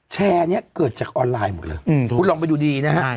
แชร์นี้เกิดจากออนไลน์หมดเลยคุณลองไปดูดีนะฮะ